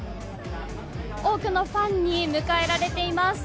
多くのファンに迎えられています。